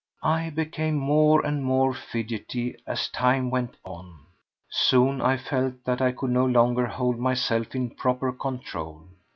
I became more and more fidgety as time went on. Soon I felt that I could no longer hold myself in proper control.